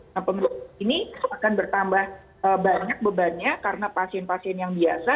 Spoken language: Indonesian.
nah penduduk ini akan bertambah banyak bebannya karena pasien pasien yang biasa